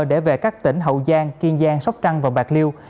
để về các tỉnh hậu giang kiên giang sóc trăng và bạc liêu